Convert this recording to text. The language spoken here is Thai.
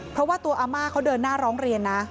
เพราะว่าตัวอาม่าเขาเดินหน้าร้องเรียนนะ